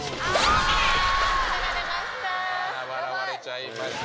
食べられちゃいました。